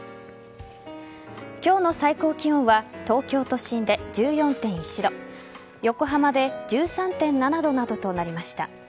今日の最高気温は東京都心で１４．１度横浜で１３．７度などとなりました。